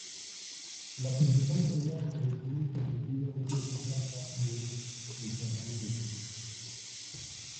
La principal teoría sobre su uso y sentido, es que se trata de enterramientos.